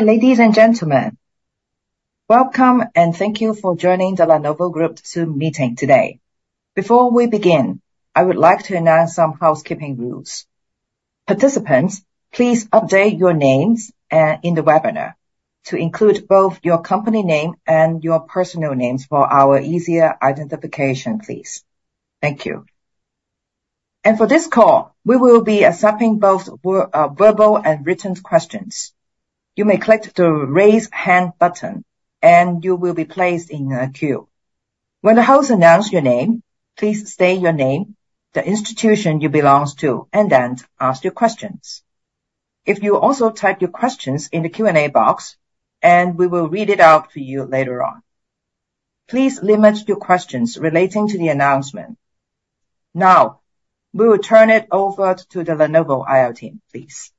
Hi, ladies and gentlemen. Welcome, and thank you for joining the Lenovo Group Zoom meeting today. Before we begin, I would like to announce some housekeeping rules. Participants, please update your names in the webinar to include both your company name and your personal names for our easier identification, please. Thank you. For this call, we will be accepting both verbal and written questions. You may click the Raise Hand button, and you will be placed in a queue. When the host announce your name, please state your name, the institution you belongs to, and then ask your questions. If you also type your questions in the Q&A box, we will read it out to you later on. Please limit your questions relating to the announcement. Now, we will turn it over to the Lenovo IR team, please.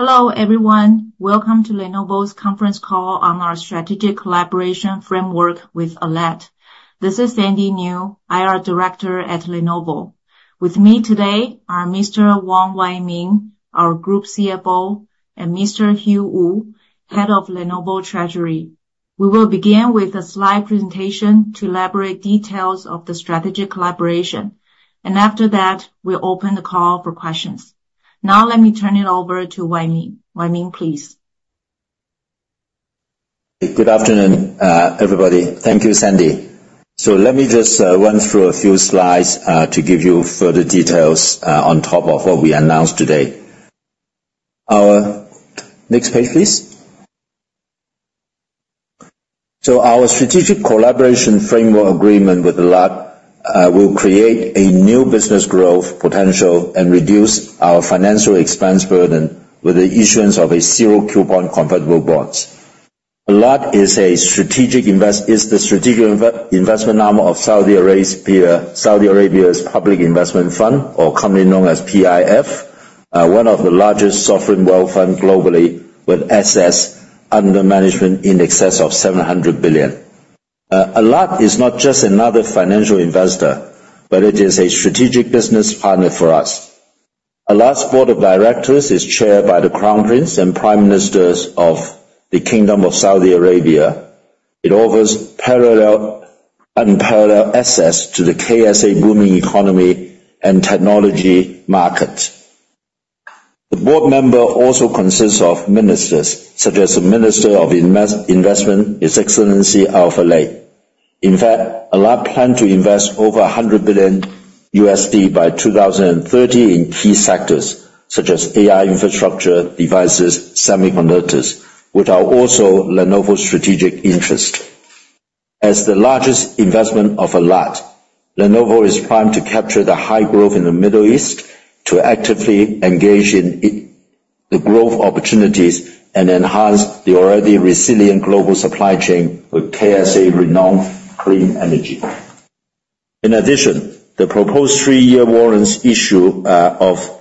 Hello, everyone. Welcome to Lenovo's conference call on our strategic collaboration framework with Alat. This is Sandy Niu, IR Director at Lenovo. With me today are Mr. Wong Wai Ming, our Group CFO, and Mr. Hugh Wu, Head of Lenovo Treasury. We will begin with a slide presentation to elaborate details of the strategic collaboration, and after that, we'll open the call for questions. Now let me turn it over to Wai Ming. Wai Ming, please. Good afternoon, everybody. Thank you, Sandy. So let me just, run through a few slides, to give you further details, on top of what we announced today. Next page, please. So our strategic collaboration framework agreement with Alat, will create a new business growth potential and reduce our financial expense burden with the issuance of a zero-coupon convertible bonds. Alat is the strategic investment arm of Saudi Arabia's Public Investment Fund, or commonly known as PIF, one of the largest sovereign wealth fund globally, with assets under management in excess of $700 billion. Alat is not just another financial investor, but it is a strategic business partner for us. Alat's board of directors is chaired by the Crown Prince and Prime Ministers of the Kingdom of Saudi Arabia. It offers unparalleled access to the KSA booming economy and technology market. The board member also consists of ministers, such as the Minister of Investment, His Excellency Al-Falih. In fact, Alat plans to invest over $100 billion by 2030 in key sectors such as AI infrastructure, devices, semiconductors, which are also Lenovo's strategic interest. As the largest investment of Alat, Lenovo is primed to capture the high growth in the Middle East to actively engage in the growth opportunities and enhance the already resilient global supply chain with KSA renowned clean energy. In addition, the proposed three-year warrants issue of...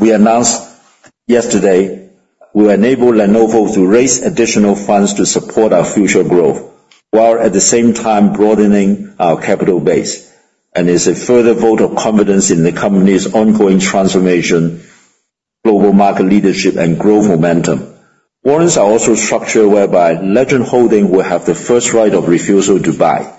We announced yesterday, will enable Lenovo to raise additional funds to support our future growth, while at the same time broadening our capital base, and is a further vote of confidence in the company's ongoing transformation, global market leadership and growth momentum. Warrants are also structured whereby Legend Holdings will have the first right of refusal to buy.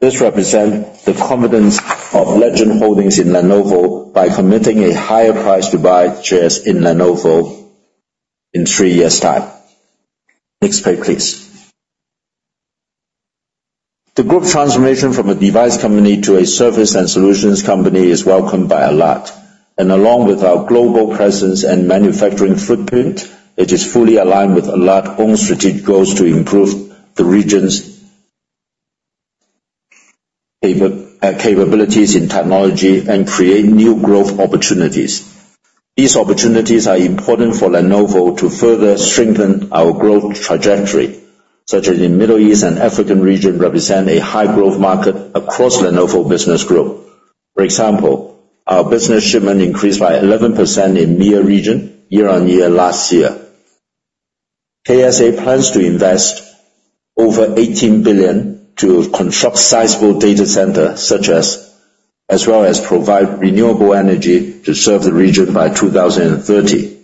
This represent the confidence of Legend Holdings in Lenovo by committing a higher price to buy shares in Lenovo in three years' time. Next page, please. The group transformation from a device company to a service and solutions company is welcomed by Alat, and along with our global presence and manufacturing footprint, it is fully aligned with Alat's own strategic goals to improve the region's capabilities in technology and create new growth opportunities. These opportunities are important for Lenovo to further strengthen our growth trajectory, such as in Middle East and Africa region, represent a high-growth market across Lenovo business growth. For example, our business shipment increased by 11% in MEA region, year-on-year, last year. KSA plans to invest over $18 billion to construct sizable data center as well as provide renewable energy to serve the region by 2030.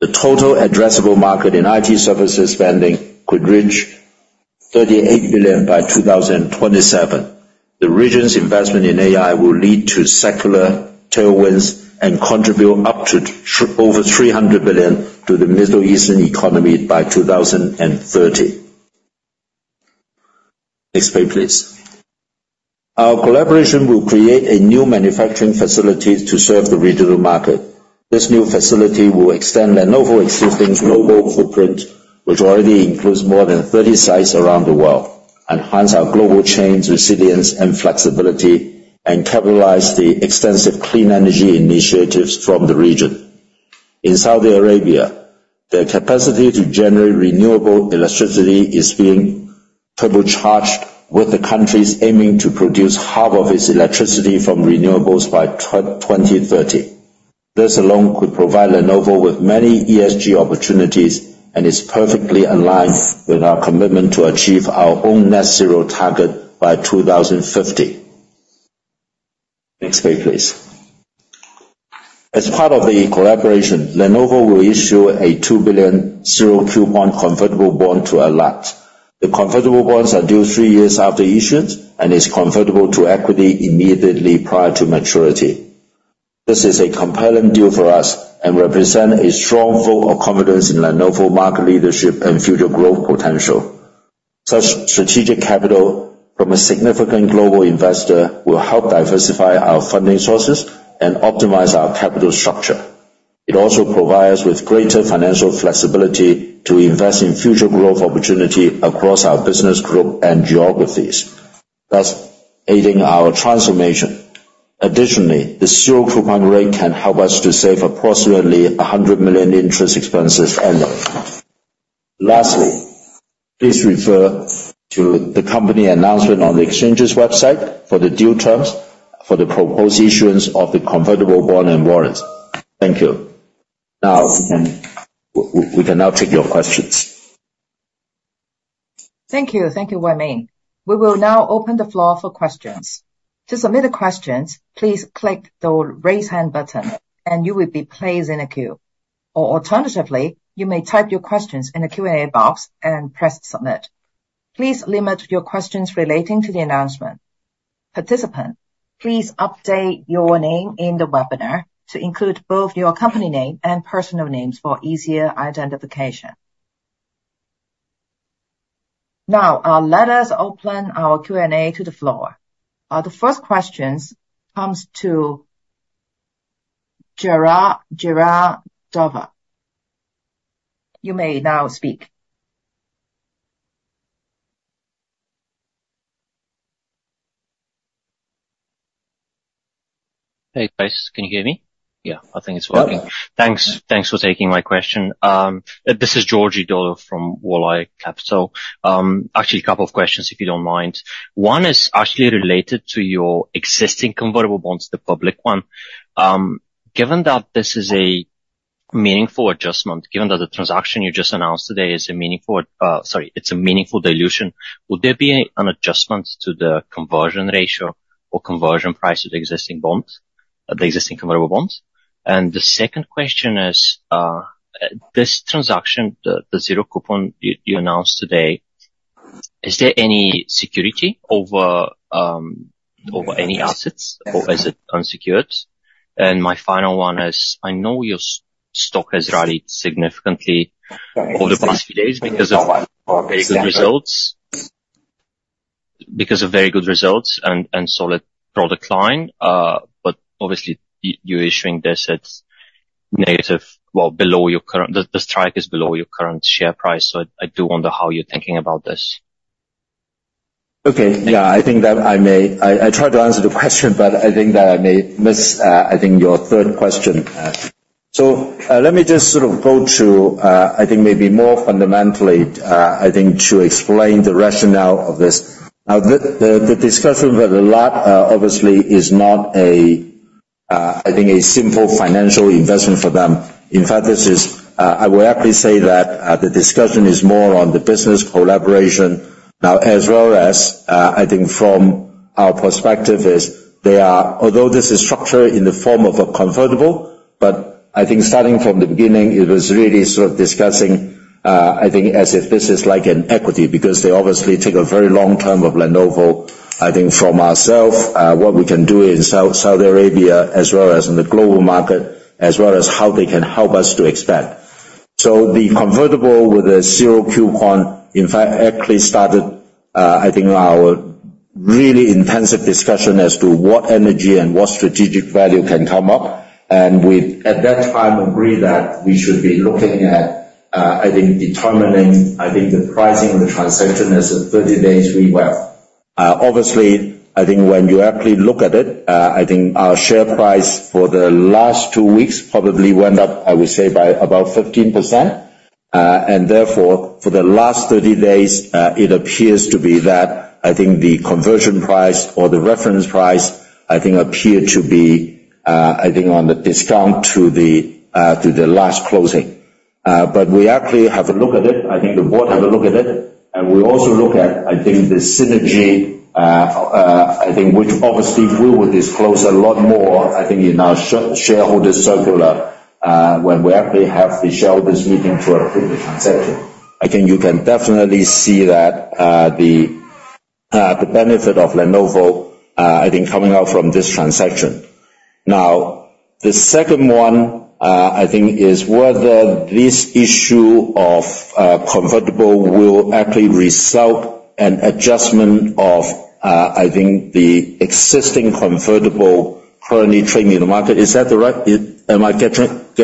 The total addressable market in IT services spending could reach $38 billion by 2027. The region's investment in AI will lead to secular tailwinds and contribute up to over $300 billion to the Middle Eastern economy by 2030. Next page, please. Our collaboration will create a new manufacturing facility to serve the regional market. This new facility will extend Lenovo's existing global footprint, which already includes more than 30 sites around the world, enhance our global chains, resilience and flexibility, and capitalize the extensive clean energy initiatives from the region. In Saudi Arabia, the capacity to generate renewable electricity is being turbocharged, with the country aiming to produce half of its electricity from renewables by 2030. This alone could provide Lenovo with many ESG opportunities, and is perfectly aligned with our commitment to achieve our own net zero target by 2050. Next page, please. As part of the collaboration, Lenovo will issue a $2 billion zero-coupon convertible bond to Alat. The convertible bonds are due three years after issuance and is convertible to equity immediately prior to maturity. This is a compelling deal for us and represent a strong vote of confidence in Lenovo's market leadership and future growth potential. Such strategic capital from a significant global investor will help diversify our funding sources and optimize our capital structure. It also provide us with greater financial flexibility to invest in future growth opportunity across our business group and geographies, thus aiding our transformation. Additionally, the zero-coupon rate can help us to save approximately $100 million interest expenses annually. Lastly, please refer to the company announcement on the exchange's website for the due terms for the proposed issuance of the convertible bond and warrants. Thank you. Now, we, we can now take your questions. Thank you. Thank you, Wai Ming. We will now open the floor for questions. To submit a question, please click the Raise Hand button, and you will be placed in a queue. Or alternatively, you may type your questions in the Q&A box and press Submit. Please limit your questions relating to the announcement. Participant, please update your name in the webinar to include both your company name and personal names for easier identification. Now, let us open our Q&A to the floor. The first question comes to Georgi Dodov. You may now speak. Hey, guys, can you hear me? Yeah, I think it's working. Yeah. Thanks. Thanks for taking my question. This is Georgi Dodov from Walleye Capital. Actually, a couple of questions, if you don't mind. One is actually related to your existing convertible bonds, the public one. Given that the transaction you just announced today is a meaningful, sorry, it's a meaningful dilution, will there be an adjustment to the conversion ratio or conversion price of the existing bonds, the existing convertible bonds? And the second question is, this transaction, the zero-coupon you announced today, is there any security over any assets, or is it unsecured? And my final one is, I know your stock has rallied significantly over the past few days because of very good results, because of very good results and solid product line. But obviously, you're issuing this at negative, well, below your current, the strike is below your current share price, so I do wonder how you're thinking about this. Okay. Yeah, I think that I may... I tried to answer the question, but I think that I may miss, I think, your third question. So, let me just sort of go to, I think, maybe more fundamentally, I think, to explain the rationale of this. Now, the discussion with Alat, obviously is not a, I think, a simple financial investment for them. In fact, this is, I will actually say that, the discussion is more on the business collaboration now, as well as, I think from our perspective is they are, although this is structured in the form of a convertible, but I think starting from the beginning, it was really sort of discussing, I think, as if this is like an equity, because they obviously take a very long-term view of Lenovo, I think, from ourselves, what we can do in Saudi Arabia, as well as in the global market, as well as how they can help us to expand. So the convertible with a zero-coupon, in fact, actually started, I think, our really intensive discussion as to what synergy and what strategic value can come up. We, at that time, agreed that we should be looking at, I think, determining, I think, the pricing of the transaction as a 30-day VWAP. Obviously, I think when you actually look at it, I think our share price for the last two weeks probably went up, I would say, by about 15%. And therefore, for the last 30 days, it appears to be that, I think the conversion price or the reference price, I think, appeared to be, I think, at a discount to the last closing. But we actually have a look at it. I think the board have a look at it, and we also look at, I think, the synergy, which obviously we will disclose Alat more, I think, in our shareholder circular, when we actually have the shareholders meeting to approve the transaction. I think you can definitely see that, the benefit of Lenovo, I think, coming out from this transaction. Now, the second one, I think, is whether this issue of convertible will actually result in adjustment of, I think, the existing convertible currently trading in the market. Is that the right? Am I getting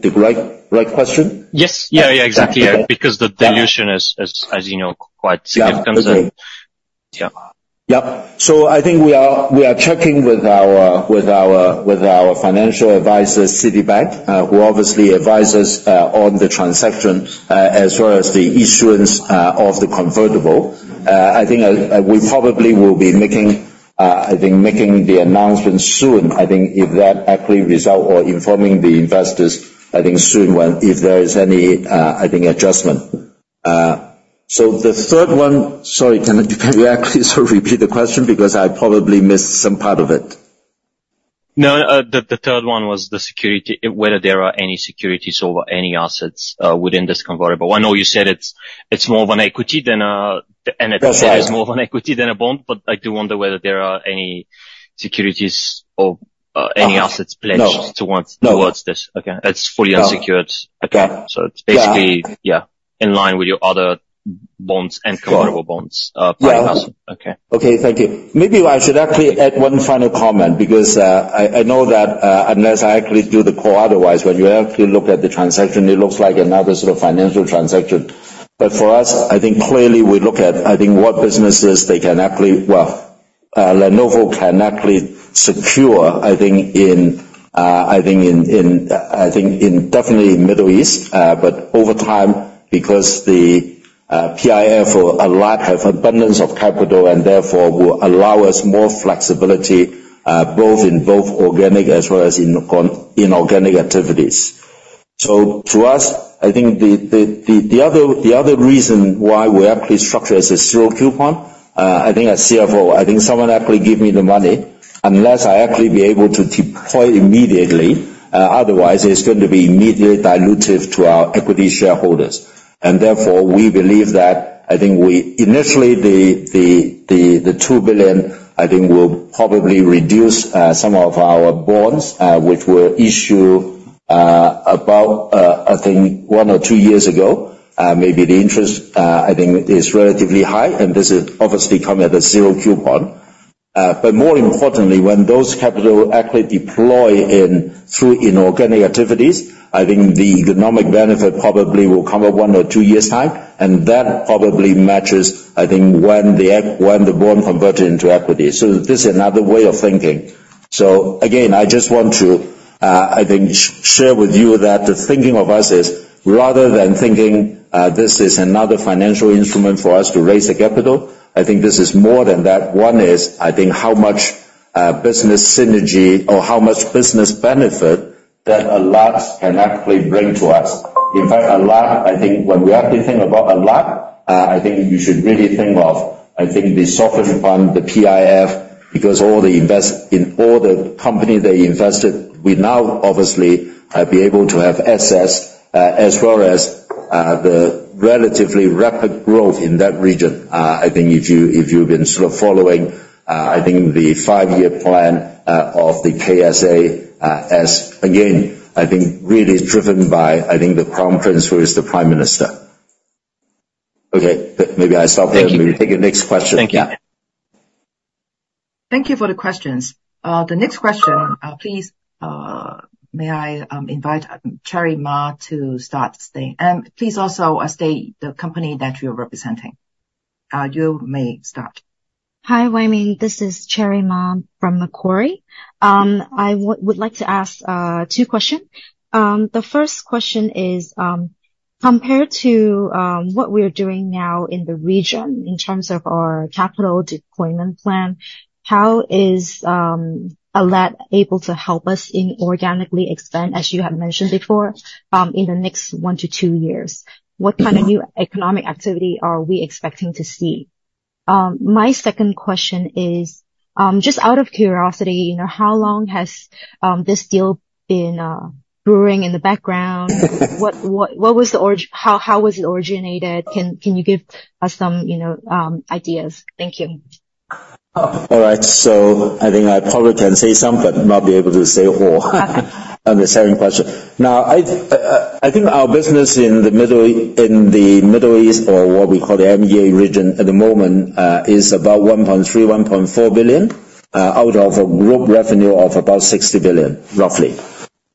the right question? Yes. Yeah, yeah, exactly. Uh- Because the dilution is, as you know, quite significant. Yeah. Okay. Yeah. Yep. So I think we are checking with our financial advisor, Citibank, who obviously advise us on the transaction as well as the issuance of the convertible. I think we probably will be making the announcement soon, I think, if that actually result, or informing the investors, I think, soon when, if there is any adjustment. So the third one. Sorry, can you actually sort of repeat the question, because I probably missed some part of it? No, the third one was the security, whether there are any securities over any assets, within this convertible. I know you said it's more of an equity than a- That's right. It is more of an equity than a bond, but I do wonder whether there are any securities or any assets pledged- No. Towards this. No. Okay, it's fully unsecured. Yeah. Okay. Yeah. It's basically, yeah, in line with your other bonds and convertible bonds, okay. Okay, thank you. Maybe I should actually add one final comment, because I know that unless I actually do the call otherwise, when you actually look at the transaction, it looks like another sort of financial transaction. But for us, I think clearly we look at what businesses they can actually... Lenovo can actually secure, I think, in definitely Middle East. But over time, because the PIF or Alat have abundance of capital and therefore will allow us more flexibility, both organic as well as inorganic activities. So to us, I think the other reason why we actually structure as a zero-coupon. I think as CFO, I think someone actually give me the money unless I actually be able to deploy immediately, otherwise it's going to be immediately dilutive to our equity shareholders. And therefore, we believe that, I think we initially the $2 billion, I think, will probably reduce some of our bonds, which were issued about, I think one or two years ago. Maybe the interest, I think is relatively high, and this is obviously come at a zero-coupon. But more importantly, when those capital actually deploy in through inorganic activities, I think the economic benefit probably will come up one or two years' time, and that probably matches, I think, when the bond converted into equity. So this is another way of thinking. So again, I just want to, I think, share with you that the thinking of us is, rather than thinking, this is another financial instrument for us to raise the capital, I think this is more than that. One is, I think, how much, business synergy or how much business benefit that Alat can actually bring to us. In fact, a lot, I think when we actually think about a lot, I think you should really think of, I think the sovereign fund, the PIF, because all the investments in all the companies they invested, we now obviously be able to have access, as well as the relatively rapid growth in that region. I think if you, if you've been sort of following, I think the five-year plan of the KSA, as again, I think really is driven by, I think, the crown prince, who is the prime minister. Okay, maybe I stop there. Thank you. Maybe take the next question. Thank you. Thank you for the questions. The next question, please. May I invite Cherry Ma to start the Q&A? Please also state the company that you're representing. You may start. Hi, Wai Ming, this is Cherry Ma from Macquarie. I would like to ask two question. The first question is, compared to what we are doing now in the region in terms of our capital deployment plan, how is Alat able to help us inorganically expand, as you have mentioned before, in the next one to two years? Mm-hmm. What kind of new economic activity are we expecting to see? My second question is, just out of curiosity, you know, how long has this deal been brewing in the background? How was it originated? Can you give us some, you know, ideas? Thank you. All right. So I think I probably can say some, but not be able to say all. Okay. On the second question. Now, I think our business in the Middle East, or what we call the MEA region at the moment, is about $1.3 billion-$1.4 billion out of a group revenue of about $60 billion, roughly.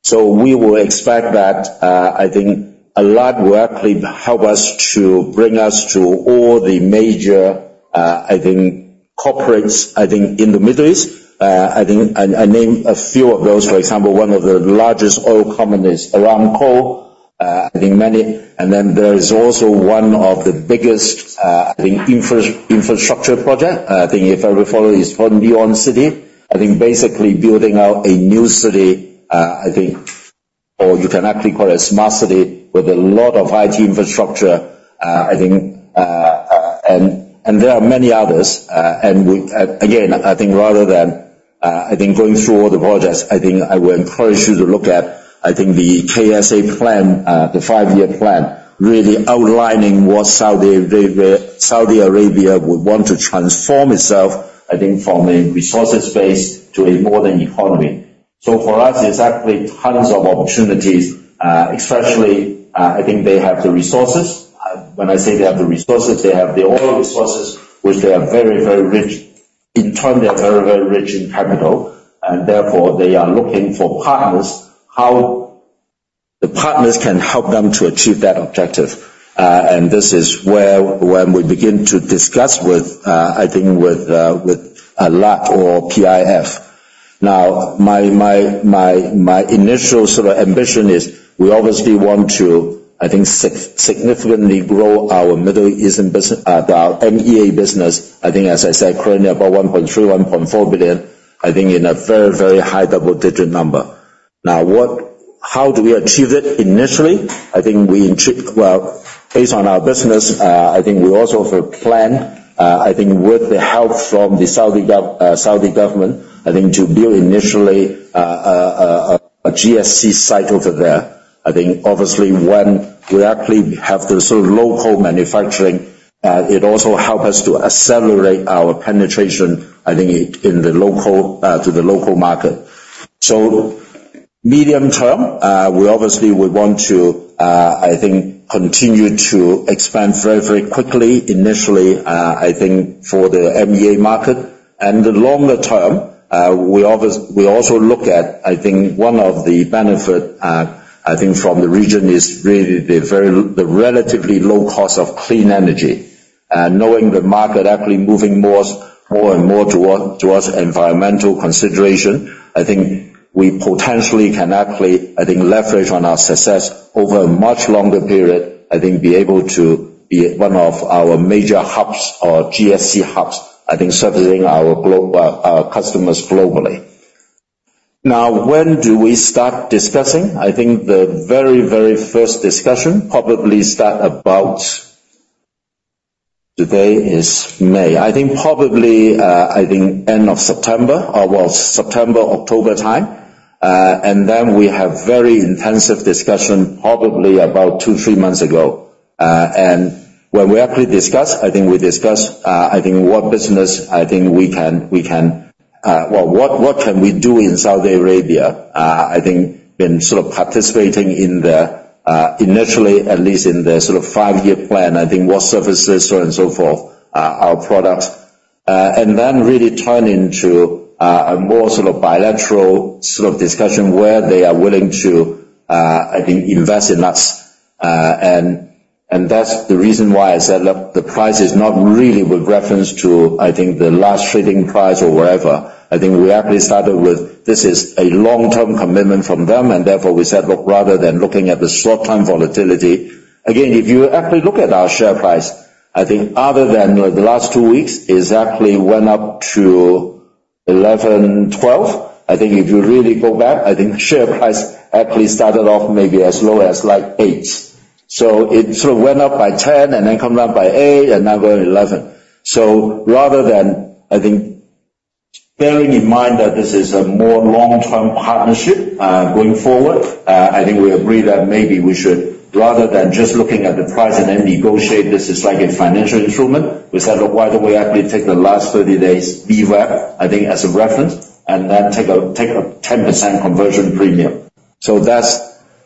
So we will expect that, I think, Alat will actually help us to bring us to all the major, I think, corporates, I think, in the Middle East. I think, I name a few of those. For example, one of the largest oil company is Aramco. I think many, and then there is also one of the biggest, I think, infrastructure project. I think if I recall, is NEOM City. I think basically building out a new city, or you can actually call a smart city with a lot of IT infrastructure. And there are many others. And we, again, I think rather than going through all the projects, I think I would encourage you to look at the KSA plan, the five-year plan, really outlining what Saudi Arabia would want to transform itself, I think from a resources base to a modern economy. So for us, there's actually tons of opportunities, especially, I think they have the resources. When I say they have the resources, they have the oil resources, which they are very, very rich. In turn, they are very, very rich in capital, and therefore, they are looking for partners. How the partners can help them to achieve that objective? And this is where when we begin to discuss with, I think with, with Alat or PIF. Now, my initial sort of ambition is we obviously want to, I think, significantly grow our Middle Eastern business, our MEA business. I think, as I said, currently about $1.3 billion-$1.4 billion, I think in a very, very high double-digit number. Now, what, how do we achieve it initially? I think we well, based on our business, I think we also have a plan, I think with the help from the Saudi gov, Saudi government, I think to build initially, a GSC site over there. I think obviously when we actually have the sort of local manufacturing, it also help us to accelerate our penetration, I think, in the local, to the local market. So medium term, we obviously would want to, I think, continue to expand very, very quickly. Initially, I think for the MEA market. And the longer term, we also look at, I think one of the benefit, I think from the region is really the relatively low cost of clean energy. And knowing the market actually moving more and more towards environmental consideration, I think we potentially can actually, I think, leverage on our success over a much longer period, I think be able to be one of our major hubs or GSC hubs, I think servicing our global, our customers globally. Now, when do we start discussing? I think the very, very first discussion probably start about... Today is May. I think probably, I think end of September or, well, September, October time. And then we have very intensive discussion, probably about two to three months ago. And when we actually discuss, I think we discuss, I think what business I think we can, we can, well, what, what can we do in Saudi Arabia? I think in sort of participating in the, initially, at least in the sort of five-year plan, I think what services so on and so forth, our products. And then really turn into, a more sort of bilateral sort of discussion where they are willing to, I think, invest in us. And that's the reason why I said, look, the price is not really with reference to, I think, the last trading price or wherever. I think we actually started with, this is a long-term commitment from them, and therefore we said, look, rather than looking at the short-term volatility... Again, if you actually look at our share price, I think other than the last two weeks, it exactly went up to 11, 12. I think if you really go back, I think share price actually started off maybe as low as like 8. So it sort of went up by 10 and then come down by 8 and now going 11. So rather than, I think, bearing in mind that this is a more long-term partnership, going forward, I think we agree that maybe we should, rather than just looking at the price and then negotiate, this is like a financial instrument. We said, Look, why don't we actually take the last 30 days, VWAP, I think, as a reference, and then take a 10% conversion premium. So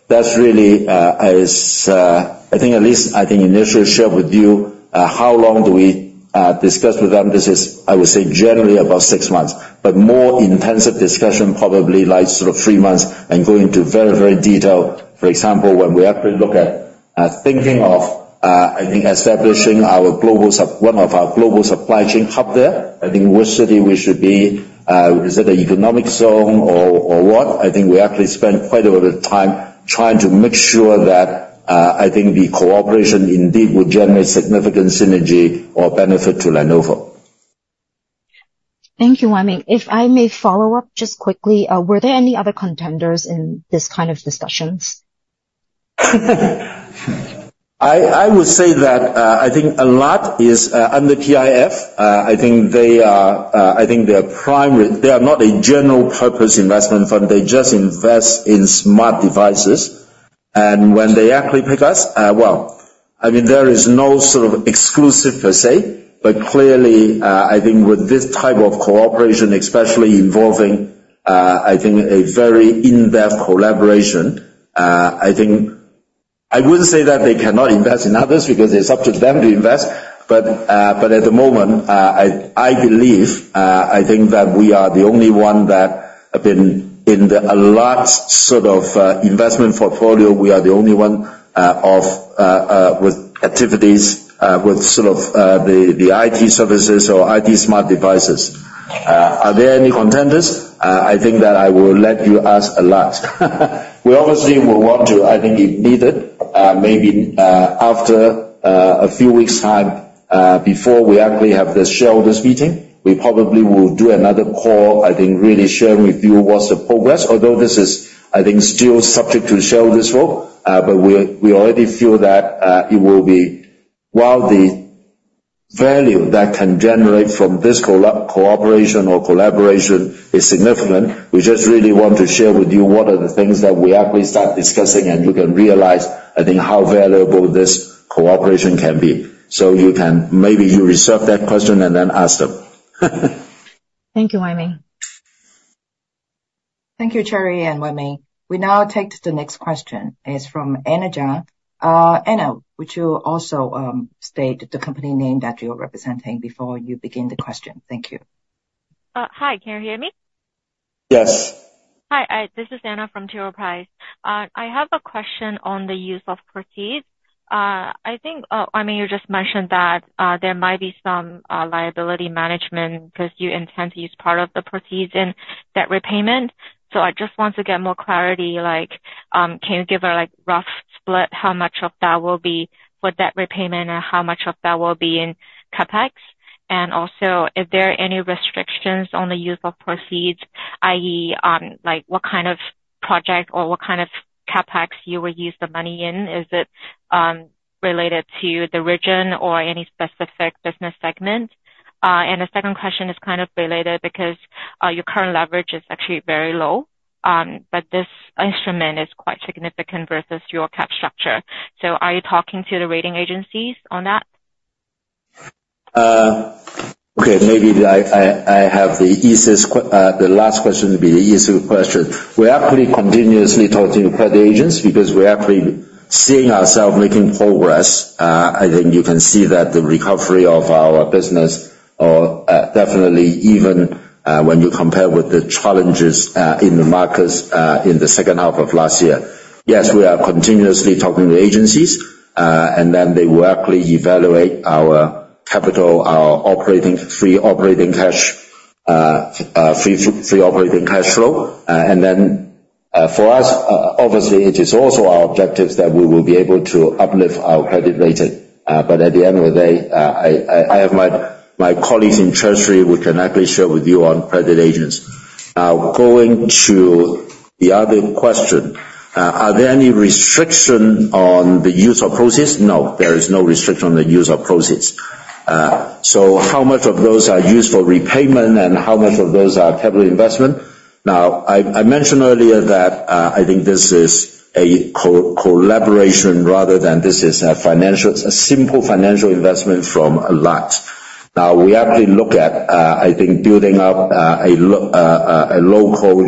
that's really, I think at least, I think initially share with you, how long do we discuss with them? This is, I would say, generally about 6 months, but more intensive discussion, probably like sort of three months and going into very, very detailed. For example, when we actually look at, thinking of, I think establishing one of our global supply chain hubs there, I think which city we should be, is it an economic zone or what? I think we actually spent quite a bit of time trying to make sure that, I think the cooperation indeed will generate significant synergy or benefit to Lenovo. Thank you, Wai Ming. If I may follow up just quickly, were there any other contenders in this kind of discussions? I would say that, I think Alat is under PIF. I think they are primary-- they are not a general purpose investment fund. They just invest in smart devices. And when they actually pick us, well, I mean, there is no sort of exclusive per se, but clearly, I think with this type of cooperation, especially involving, I think a very in-depth collaboration, I think... I wouldn't say that they cannot invest in others because it's up to them to invest. But, but at the moment, I believe, I think that we are the only one that have been in the, a large sort of, investment portfolio. We are the only one, of, with activities, with sort of, the, the IT services or IT smart devices. Are there any contenders? I think that I will let you ask a lot. We obviously will want to, I think, if needed, maybe, after a few weeks time, before we actually have the shareholders meeting, we probably will do another call, I think, really sharing with you what's the progress, although this is, I think, still subject to shareholders vote, but we, we already feel that, it will be, while the value that can generate from this cooperation or collaboration is significant, we just really want to share with you what are the things that we actually start discussing, and you can realize, I think, how valuable this cooperation can be. So you can, maybe you reserve that question and then ask them. Thank you, Wai Ming. Thank you, Cherry and Wai Ming. We now take the next question. It's from Anna Zhang. Anna, would you also state the company name that you're representing before you begin the question? Thank you. Hi, can you hear me? Yes. Hi, this is Anna from T. Rowe Price. I have a question on the use of proceeds. I think, I mean, you just mentioned that there might be some liability management because you intend to use part of the proceeds in debt repayment. So I just want to get more clarity, like, can you give a, like, rough split, how much of that will be for debt repayment and how much of that will be in CapEx? And also, are there any restrictions on the use of proceeds, i.e., like, what kind of project or what kind of CapEx you will use the money in? Is it related to the region or any specific business segment? And the second question is kind of related because your current leverage is actually very low, but this instrument is quite significant versus your cap structure. So are you talking to the rating agencies on that? Okay, maybe I have the easiest question, the last question will be the easier question. We are actually continuously talking to credit agents because we're actually seeing ourselves making progress. I think you can see that the recovery of our business or definitely even when you compare with the challenges in the markets in the second half of last year. Yes, we are continuously talking to agencies, and then they will actually evaluate our capital, our operating free cash flow. And then for us, obviously, it is also our objectives that we will be able to uplift our credit rating. But at the end of the day, I have my colleagues in treasury who can actually share with you on credit agents. Going to the other question, are there any restriction on the use of proceeds? No, there is no restriction on the use of proceeds. So how much of those are used for repayment and how much of those are capital investment? Now, I mentioned earlier that, I think this is a collaboration rather than this is a financial, a simple financial investment from Alat. Now, we actually look at, I think building up, a local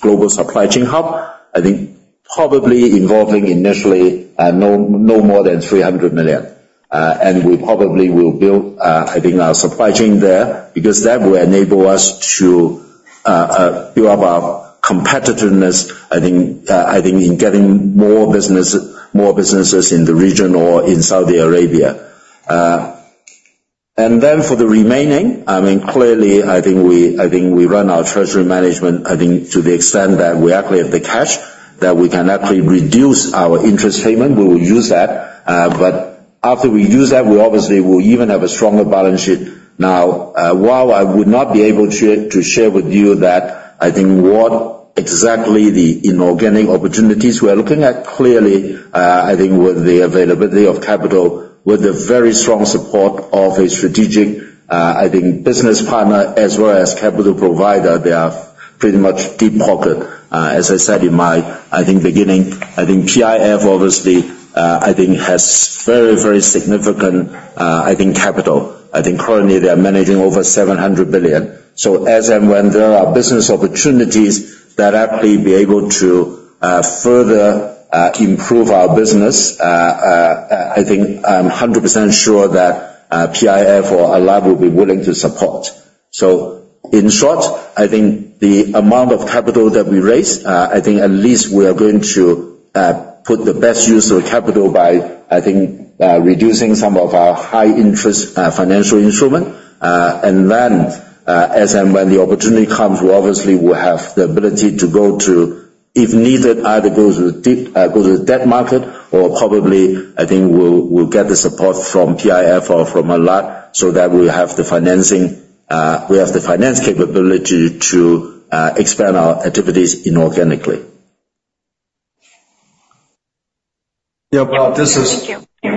global supply chain hub, I think probably involving initially, no more than $300 million. And we probably will build, I think our supply chain there, because that will enable us to build up our competitiveness, I think, I think in getting more business, more businesses in the region or in Saudi Arabia. And then for the remaining, I mean, clearly, I think we, I think we run our treasury management, I think to the extent that we actually have the cash, that we can actually reduce our interest payment, we will use that. But after we use that, we obviously will even have a stronger balance sheet. Now, while I would not be able to share with you that, I think, what exactly the inorganic opportunities we are looking at, clearly, I think with the availability of capital, with the very strong support of a strategic, I think business partner as well as capital provider, they are pretty much deep pocket. As I said in my beginning, I think PIF obviously, I think has very, very significant, I think capital. I think currently they are managing over $700 billion. So as and when there are business opportunities that actually be able to further improve our business, I think I'm 100% sure that PIF or Alat will be willing to support. So in short, I think the amount of capital that we raise, I think at least we are going to put the best use of capital by, I think, reducing some of our high-interest financial instrument. And then, as and when the opportunity comes, we obviously will have the ability to go to, if needed, either go to the debt market or probably, I think we'll get the support from PIF or from Alat so that we have the financing, we have the finance capability to expand our activities inorganically. Yeah, but this is- Thank you.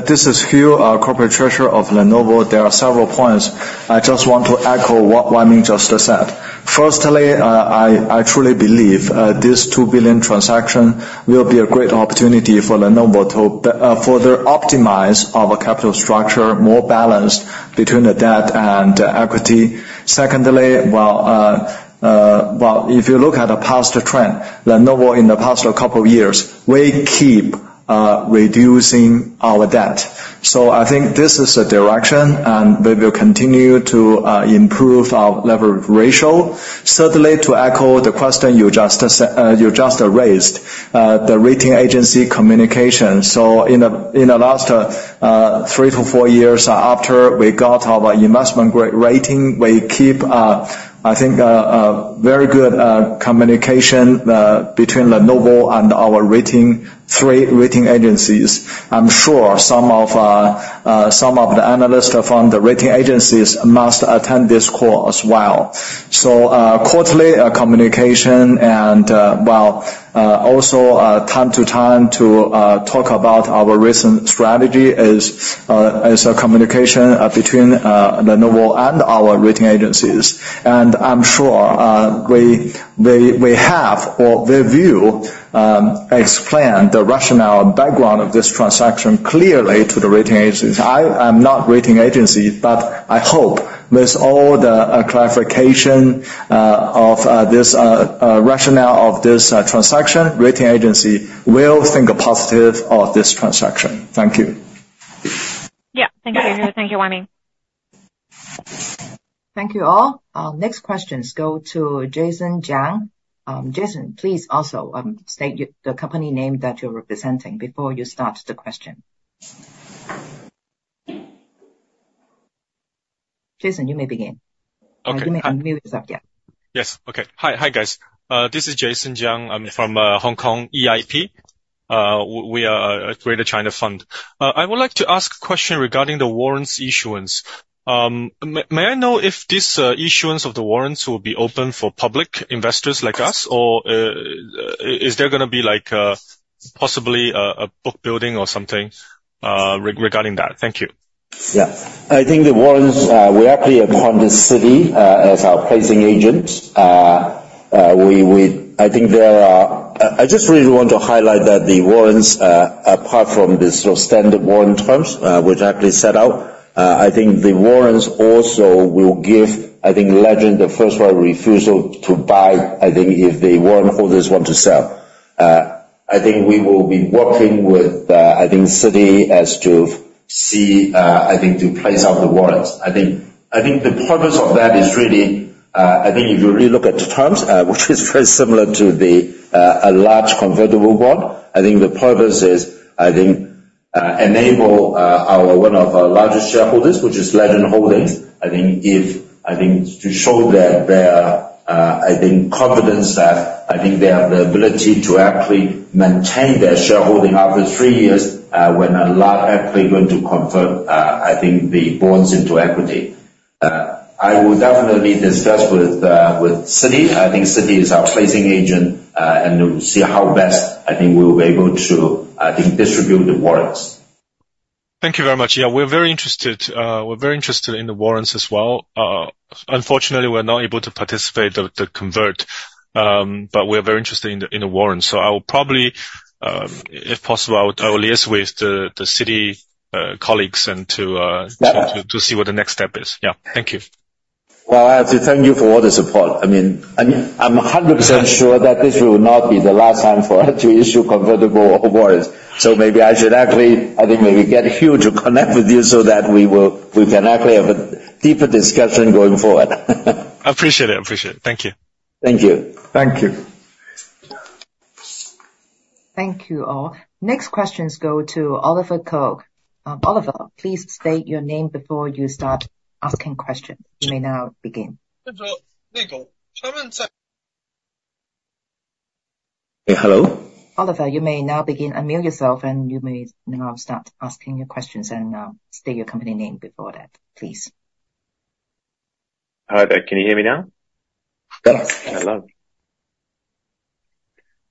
This is Hugh, Corporate Treasurer of Lenovo. There are several points. I just want to echo what Wai Ming just said. Firstly, I truly believe this $2 billion transaction will be a great opportunity for Lenovo to further optimize our capital structure, more balanced between the debt and equity. Secondly, if you look at the past trend, Lenovo in the past couple of years, we keep reducing our debt. So I think this is a direction, and we will continue to improve our leverage ratio. Certainly, to echo the question you just asked, the rating agency communication. So in the last three to four years after we got our investment-grade rating, we keep, I think, a very good communication between Lenovo and our three rating agencies. I'm sure some of the analysts from the rating agencies must attend this call as well. So quarterly communication and well also time to time talk about our recent strategy is a communication between Lenovo and our rating agencies. And I'm sure we have or we will explain the rationale and background of this transaction clearly to the rating agencies. I am not rating agency, but I hope with all the clarification of this rationale of this transaction, rating agency will think positive of this transaction. Thank you. Yeah. Thank you, Hugh. Thank you, Wai Ming. Thank you, all. Our next questions go to Jason Jiang. Jason, please also, state the company name that you're representing before you start the question.... Jason, you may begin. Okay. You may unmute yourself, yeah. Yes. Okay. Hi, hi, guys. This is Jason Jiang. I'm from Hong Kong, EIP. We are a Greater China Fund. I would like to ask a question regarding the warrants issuance. May I know if this issuance of the warrants will be open for public investors like us? Or, is there gonna be like possibly a book building or something regarding that? Thank you. Yeah. I think the warrants, we actually, upon Citi as our placing agent, we-- I think there are... I just really want to highlight that the warrants, apart from the sort of standard warrant terms, which actually set out, I think the warrants also will give, I think Legend the first right of refusal to buy, I think, if the warrant holders want to sell. I think we will be working with, I think, Citibank as to see, I think, to place out the warrants. I think, I think the purpose of that is really, I think if you really look at the terms, which is very similar to the, a large convertible bond, I think the purpose is, I think, enable, our, one of our largest shareholders, which is Legend Holdings. I think to show their confidence that they have the ability to actually maintain their shareholding after three years, when Alat actually is going to convert the bonds into equity. I will definitely discuss with Citi. I think Citi is our placing agent, and we'll see how best we will be able to distribute the warrants. Thank you very much. Yeah, we're very interested, we're very interested in the warrants as well. Unfortunately, we're not able to participate the convert, but we are very interested in the warrants. So I will probably, if possible, I will liaise with the Citi colleagues and to- Yeah. to see what the next step is. Yeah. Thank you. Well, I have to thank you for all the support. I mean, I'm 100% sure that this will not be the last time for us to issue convertible warrants. So maybe I should actually, I think, maybe get Hugh to connect with you so that we will- we can actually have a deeper discussion going forward. I appreciate it. I appreciate it. Thank you. Thank you. Thank you. Thank you, all. Next questions go to Oliver Cox. Oliver, please state your name before you start asking questions. You may now begin. Hello? Oliver, you may now begin. Unmute yourself, and you may now start asking your questions, and, state your company name before that, please. Hi there. Can you hear me now? Yes. Hello.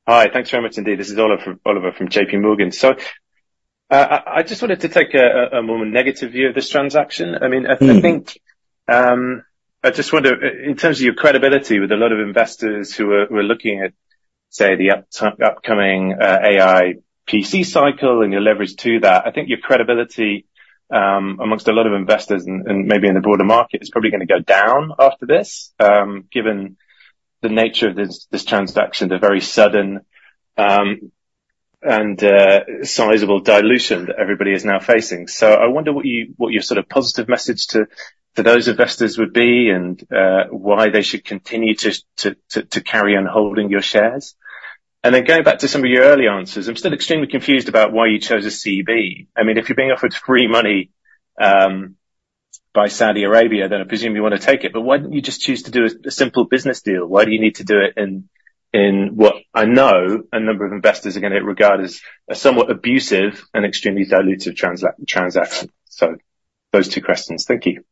Hi, thanks very much indeed. This is Oliver, Oliver from JPMorgan. So, I just wanted to take a more negative view of this transaction. I mean- Mm-hmm. I think, I just wonder in terms of your credibility with a lot of investors who were looking at, say, the upcoming AI PC cycle and your leverage to that, I think your credibility among a lot of investors and maybe in the broader market is probably gonna go down after this, given the nature of this transaction, the very sudden and sizable dilution that everybody is now facing. So I wonder what your sort of positive message to those investors would be, and why they should continue to carry on holding your shares? And then going back to some of your early answers, I'm still extremely confused about why you chose a CB. I mean, if you're being offered free money by Saudi Arabia, then I presume you want to take it, but why don't you just choose to do a simple business deal? Why do you need to do it in what I know a number of investors are gonna regard as a somewhat abusive and extremely dilutive transaction? So, those two questions. Thank you.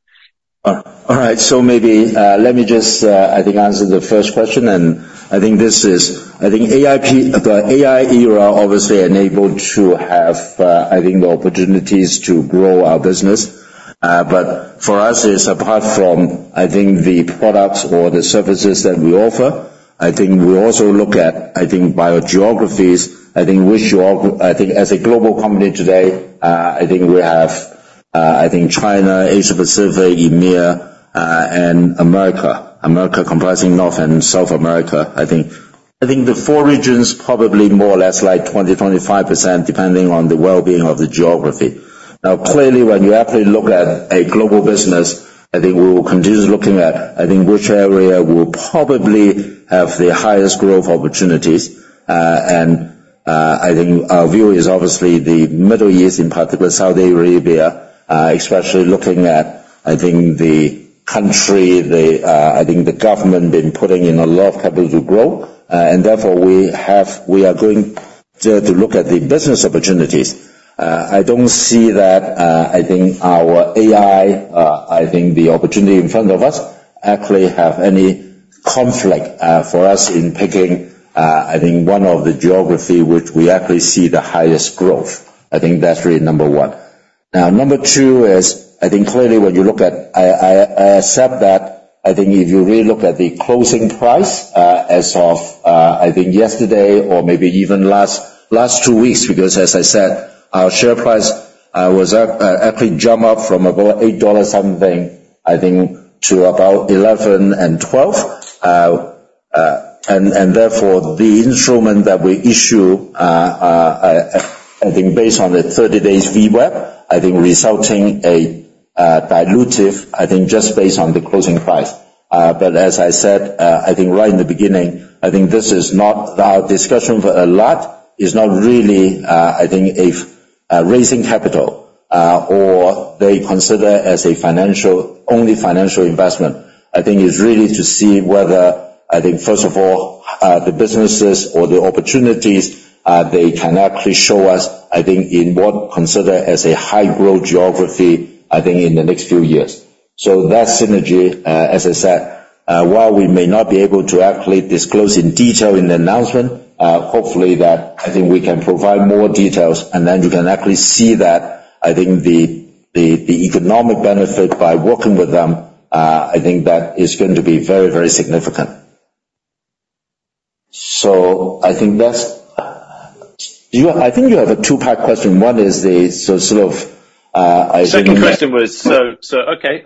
All right. So maybe, let me just, I think, answer the first question, and I think this is. I think, AI, the AI era obviously enabled to have, I think, the opportunities to grow our business. But for us, it's apart from, I think, the products or the services that we offer, I think we also look at, I think, by geographies, I think as a global company today, I think we have, I think China, Asia Pacific, EMEA, and America. America comprising North and South America, I think. I think the four regions, probably more or less like 20%-25%, depending on the well-being of the geography. Now, clearly, when you actually look at a global business, I think we will continue looking at, I think, which area will probably have the highest growth opportunities. I think our view is obviously the Middle East, in particular, Saudi Arabia, especially looking at, I think, the country, I think the government been putting in a lot of capital to grow. And therefore, we are going to look at the business opportunities. I don't see that, I think our AI, I think the opportunity in front of us actually have any conflict, for us in picking, I think one of the geography which we actually see the highest growth. I think that's really number one. Now, number two is, I think clearly when you look at, I accept that, I think if you really look at the closing price, as of, I think yesterday or maybe even last two weeks, because as I said, our share price was up, actually jump up from about $8 something, I think, to about $11 and $12. And therefore, the instrument that we issue, I think based on the 30 days VWAP, I think resulting a dilutive, I think just based on the closing price. But as I said, I think right in the beginning, I think this is not the discussion for Alat, is not really, I think raising capital, or they consider as a financial, only financial investment. I think it's really to see whether, I think, first of all, the businesses or the opportunities, they can actually show us, I think in what consider as a high growth geography, I think in the next few years. So that synergy, as I said, while we may not be able to actually disclose in detail in the announcement, hopefully that, I think we can provide more details, and then you can actually see that, I think the economic benefit by working with them, I think that is going to be very, very significant. So I think that's- you, I think you have a two-part question. One is the sort of, I think that- Second question was, so okay,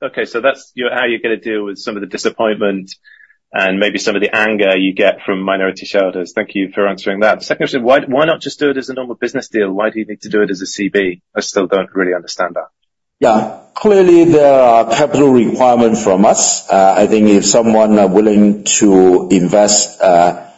that's how you're gonna deal with some of the disappointment and maybe some of the anger you get from minority shareholders. Thank you for answering that. The second question, why not just do it as a normal business deal? Why do you need to do it as a CB? I still don't really understand that. Yeah. Clearly, there are capital requirements from us. I think if someone are willing to invest, I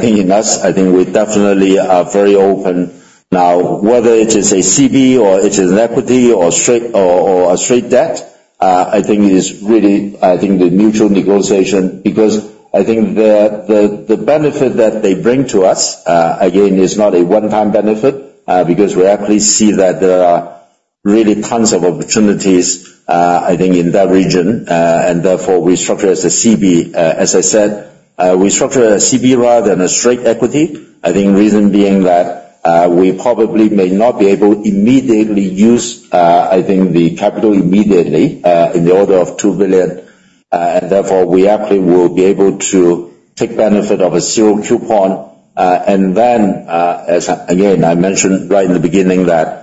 think in us, I think we definitely are very open now, whether it is a CB or it is an equity or straight, or a straight debt, I think it is really, I think the mutual negotiation. Because I think the benefit that they bring to us, again, is not a one-time benefit, because we actually see that there are really tons of opportunities, I think, in that region. And therefore, we structure as a CB. As I said, we structure a CB rather than a straight equity. I think reason being that, we probably may not be able to immediately use, I think the capital immediately, in the order of $2 billion. And therefore, we actually will be able to take benefit of a zero-coupon. And then, as again, I mentioned right in the beginning that,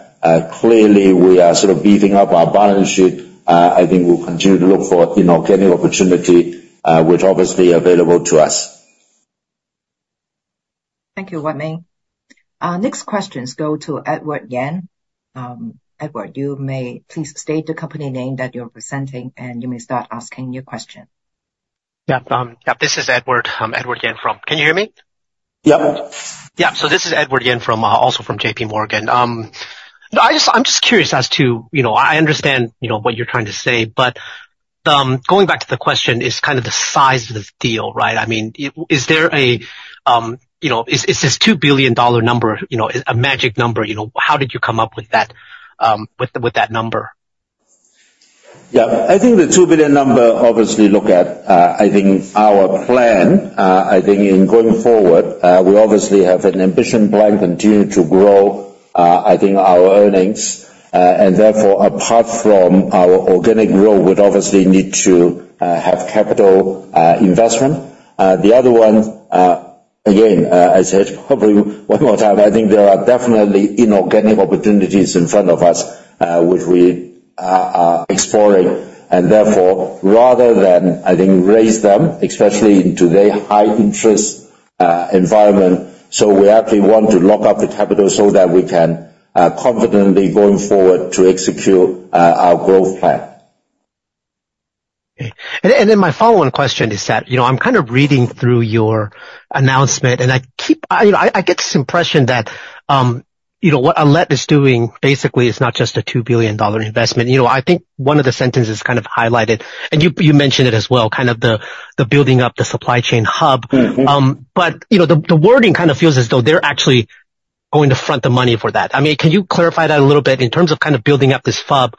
clearly we are sort of beefing up our balance sheet. I think we'll continue to look for, you know, any opportunity, which obviously available to us. Thank you, Wai Ming. Next questions go to Edward Yen. Edward, you may please state the company name that you're representing, and you may start asking your question. Yeah. Yeah, this is Edward. I'm Edward Yen from... Can you hear me? Yeah. Yeah. So this is Edward Yen from, also from JPMorgan. I just, I'm just curious as to, you know, I understand, you know, what you're trying to say, but, going back to the question, is kind of the size of the deal, right? I mean, is there a, you know, is, is this $2 billion number, you know, a magic number? You know, how did you come up with that, with, with that number? Yeah. I think the $2 billion number obviously look at, I think our plan. I think in going forward, we obviously have an ambitious plan, continue to grow, I think our earnings. And therefore, apart from our organic growth, we'd obviously need to, have capital, investment. The other one, again, as I said, probably one more time, I think there are definitely inorganic opportunities in front of us, which we are exploring. And therefore, rather than, I think, raise them, especially in today's high interest, environment, so we actually want to lock up the capital so that we can, confidently going forward to execute, our growth plan. Okay. And then my follow-on question is that, you know, I'm kind of reading through your announcement, and I keep getting this impression that, you know, what Alat is doing, basically is not just a $2 billion investment. You know, I think one of the sentences kind of highlighted, and you mentioned it as well, kind of the building up the supply chain hub. Mm-hmm. But, you know, the wording kind of feels as though they're actually going to front the money for that. I mean, can you clarify that a little bit in terms of kind of building up this hub,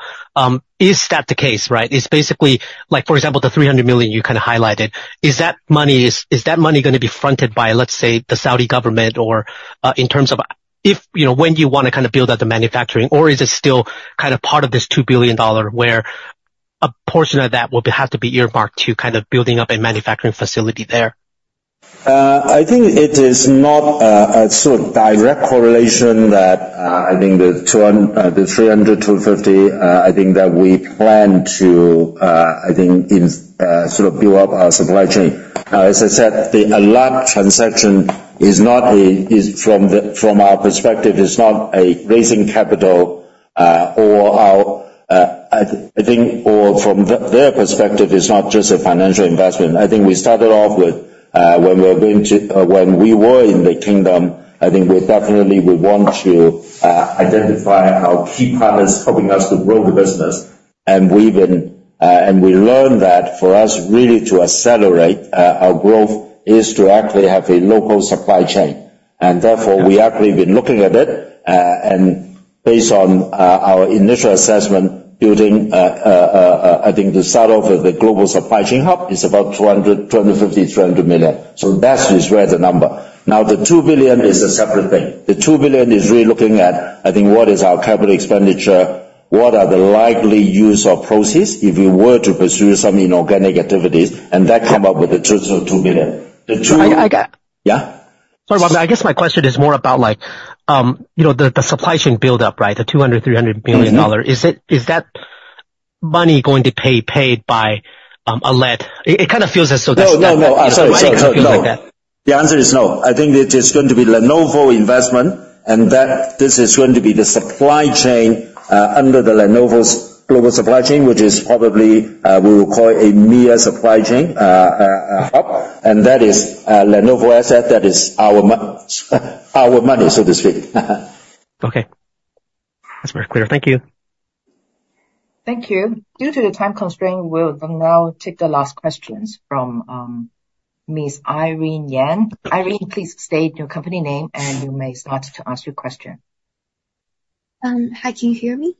is that the case, right? It's basically like, for example, the $300 million you kind of highlighted, is that money, is that money gonna be fronted by, let's say, the Saudi government or, in terms of, you know, when do you want to kind of build out the manufacturing? Or is it still kind of part of this $2 billion, where a portion of that will have to be earmarked to kind of building up a manufacturing facility there? I think it is not a sort of direct correlation that I think the $300 million-$350 million. I think that we plan to I think in sort of build up our supply chain. As I said, the Alat transaction is not, from our perspective, a raising capital or, I think, from their perspective, not just a financial investment. I think we started off with when we were going to when we were in the Kingdom. I think we definitely would want to identify our key partners helping us to grow the business. And we learned that for us really to accelerate our growth is to actually have a local supply chain. Therefore, we actually been looking at it, and based on our initial assessment, building, I think the start of the global supply chain hub is about $250 million-$300 million. So that is where the number. Now, the $2 billion is a separate thing. The $2 billion is really looking at, I think, what is our capital expenditure? What are the likely use of proceeds if we were to pursue some inorganic activities, and that come up with the two sort of $2 billion. The two- I got- Yeah? Sorry about that. I guess my question is more about like, you know, the supply chain build up, right? The $200 million-$300 million dollar. Mm-hmm. Is that money going to be paid by Alat? It kind of feels as though that's- No, no, no. Sorry, sorry. It kind of feels like that. The answer is no. I think it is going to be Lenovo investment, and that this is going to be the supply chain under the Lenovo's global supply chain, which is probably we will call a near supply chain hub, and that is Lenovo asset. That is our money, so to speak. Okay. That's very clear. Thank you.... Thank you. Due to the time constraint, we'll now take the last questions from Ms. Irene Yen. Irene, please state your company name, and you may start to ask your question. Hi, can you hear me?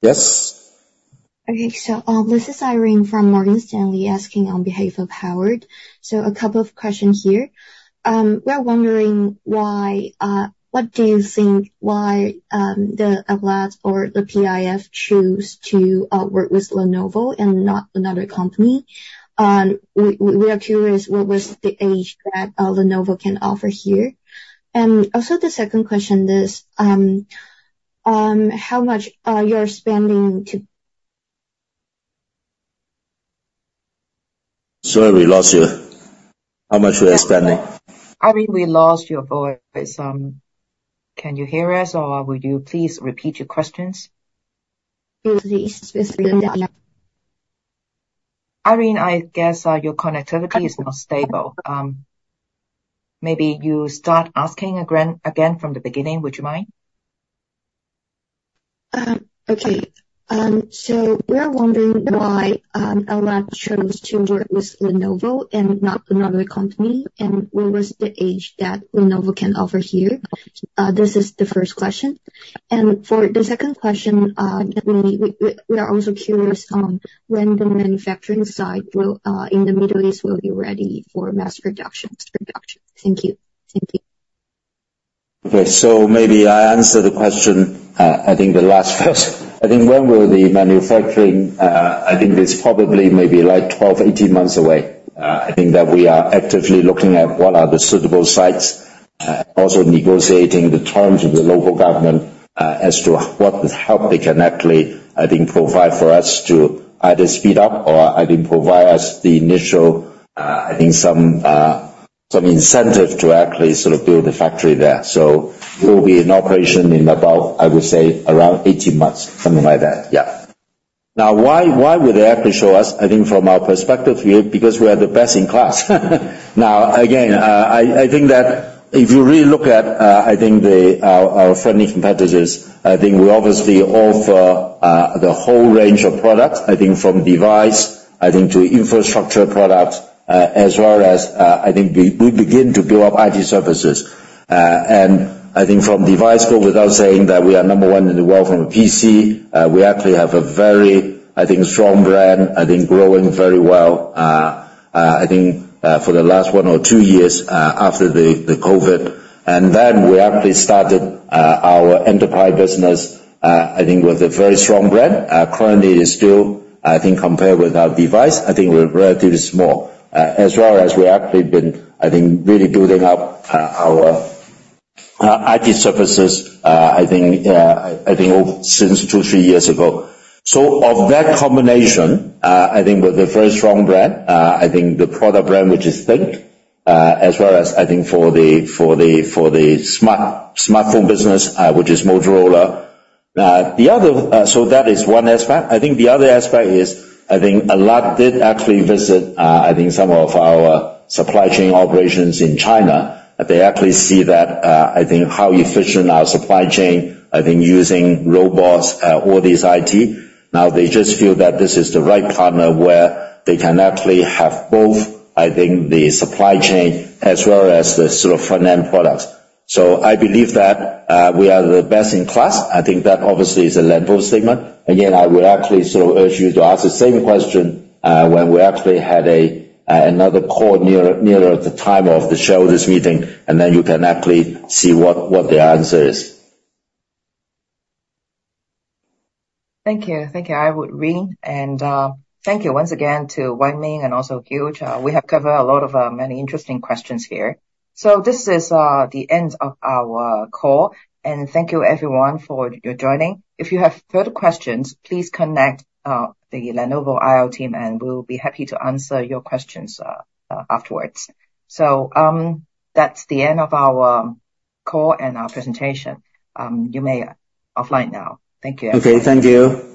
Yes. Okay. So, this is Irene from Morgan Stanley, asking on behalf of Howard. So a couple of questions here. We are wondering why, what do you think, why the Alat or the PIF choose to work with Lenovo and not another company? And we are curious, what was the edge that Lenovo can offer here? And also the second question is, how much you're spending to- Sorry, we lost you. How much we are spending? I think we lost your voice. Can you hear us, or would you please repeat your questions? Please, Irene, I guess, your connectivity is not stable. Maybe you start asking again from the beginning. Would you mind? Okay. So we are wondering why Alat chose to work with Lenovo and not another company, and what was the edge that Lenovo can offer here? This is the first question. And for the second question, we are also curious on when the manufacturing side will in the Middle East be ready for mass production, mass production. Thank you. Thank you. Okay. So maybe I answer the question, I think the last first. I think when will the manufacturing. I think it's probably maybe like 12-18 months away. I think that we are actively looking at what are the suitable sites, also negotiating the terms with the local government, as to what help they can actually, I think, provide for us to either speed up or, I think, provide us the initial, I think some, some incentives to actually sort of build a factory there. So it will be in operation in about, I would say, around 18 months, something like that. Yeah. Now, why, why would they actually show us? I think from our perspective here, because we are the best in class. Now, again, I think that if you really look at, I think our friendly competitors, I think we obviously offer the whole range of products, I think from device to infrastructure products, as well as, I think we begin to build up IT services. And I think from device build, without saying that we are number one in the world from a PC, we actually have a very strong brand, I think growing very well, I think for the last one or two years after the COVID. And then we actually started our enterprise business, I think with a very strong brand. Currently is still, I think, compared with our device, I think we're relatively small. As well as we have actually been, I think, really building up our IT services, I think, I think over since two to three years ago. So of that combination, I think with a very strong brand, I think the product brand, which is Think, as well as I think for the smartphone business, which is Motorola. So that is one aspect. I think the other aspect is, I think Alat did actually visit, I think some of our supply chain operations in China. They actually see that, I think how efficient our supply chain, I think using robots, all these IT. Now they just feel that this is the right partner, where they can actually have both, I think the supply chain as well as the sort of front-end products. So I believe that, we are the best in class. I think that obviously is a Lenovo statement. Again, I would actually sort of urge you to ask the same question, when we actually had a, another call near, nearer the time of the shareholders' meeting, and then you can actually see what, what the answer is. Thank you. Thank you, Irene. And, thank you once again to Wai Ming and also Hugh. We have covered a lot of, many interesting questions here. So this is the end of our call, and thank you everyone for your joining. If you have further questions, please connect the Lenovo IR team, and we'll be happy to answer your questions, afterwards. So, that's the end of our call and our presentation. You may offline now. Thank you. Okay. Thank you.